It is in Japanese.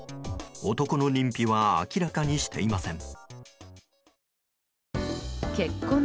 男の認否は明らかにしていません。